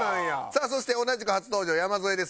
さあそして同じく初登場山添です。